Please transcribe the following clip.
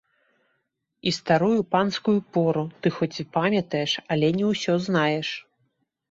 І старую панскую пору ты хоць і памятаеш, але не ўсё знаеш.